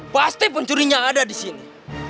pasti pencurinya ada di sini